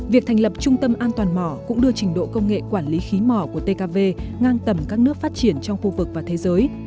việc thành lập trung tâm an toàn mỏ cũng đưa trình độ công nghệ quản lý khí mỏ của tkv ngang tầm các nước phát triển trong khu vực và thế giới